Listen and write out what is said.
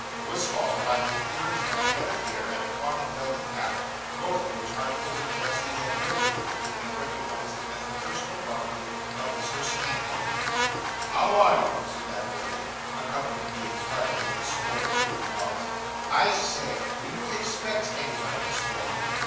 was followed by the appearance of a head of hair and a cotton velvet cap, both of which articles of dress he had no difficulty in recognising as the personal property of Mr. Smangle. 'How are you?' said that worthy, accompanying the inquiry with a score or two of nods; 'I say do you expect anybody this morning?